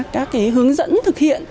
các cái hướng dẫn thực hiện